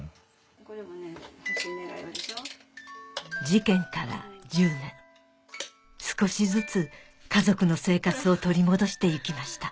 事件から１０年少しずつ家族の生活を取り戻して行きました